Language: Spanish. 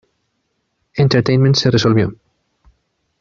Entertainment se resolvió.